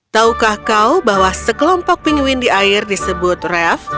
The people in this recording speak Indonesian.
taukah kau bahwa sekelompok pingwin di air disebut ref